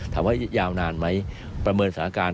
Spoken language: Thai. ถามว่ายาวนานไหมประเมินสถานการณ์